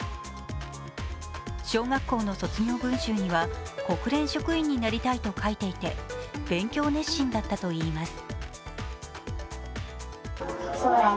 小学校の卒業文集には国連職員になりたいと書いていて、勉強熱心だったといいます。